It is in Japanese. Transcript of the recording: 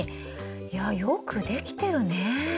いやよく出来てるね。